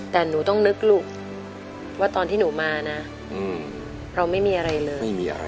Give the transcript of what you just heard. แต่หนูต้องนึกลูกว่าตอนที่หนูมานะเราไม่มีอะไรเลยไม่มีอะไร